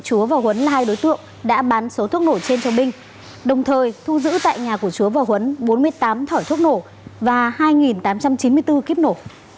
chúa và huấn là hai đối tượng đã bán số thuốc nổ trên cho minh đồng thời thu giữ tại nhà của chúa và huấn bốn mươi tám thỏi thuốc nổ và hai tám trăm chín mươi bốn kiếp nổ